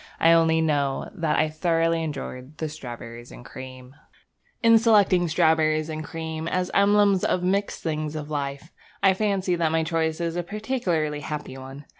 I only know that I thoroughly enjoyed the strawberriesandcream. In selecting strawberries and cream as emblems of the mixed things of life, I fancy that my choice is a particularly happy one.